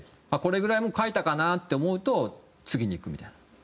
これぐらい書いたかなって思うと次にいくみたいな。